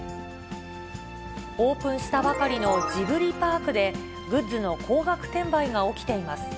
オープンしたばかりのジブリパークで、グッズの高額転売が起きています。